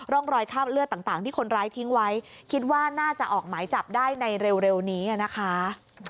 ร่องรอยคราบเลือดต่างที่คนร้ายทิ้งไว้คิดว่าน่าจะออกหมายจับได้ในเร็วนี้นะคะ